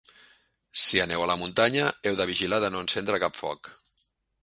Si aneu a la muntanya, heu de vigilar de no encendre cap foc.